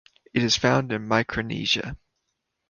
It is found in Micronesia.